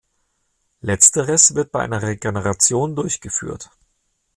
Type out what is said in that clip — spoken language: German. Letzteres wird bei einer Regeneration durchgeführt.